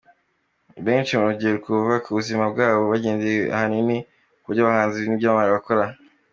Benshi mu rubyiruko bubaka ubuzima bwabo bagendeye ahanini ku byo abahanzi n’ibyamamare bakora.